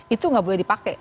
itu nggak boleh dipakai